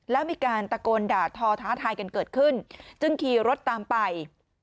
แล้วมีการตะโกนด่าทอท้าทายกันเกิดขึ้นจึงขี่รถตามไป